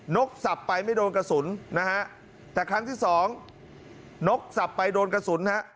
นกสับไปไม่โดนกระสุนนะฮะแต่ครั้งที่สองนกสับไปโดนกระสุนฮะ